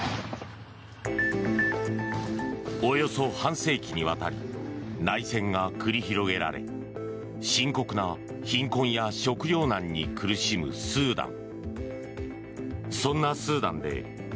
およそ半世紀にわたり内戦が繰り広げられ深刻な貧困や食糧難に苦しむスーダン。